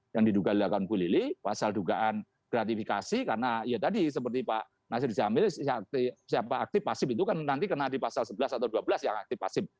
yang diduga dilakukan bu lili pasal dugaan gratifikasi karena ya tadi seperti pak nasir jamil siapa aktif pasif itu kan nanti kena di pasal sebelas atau dua belas yang aktif pasif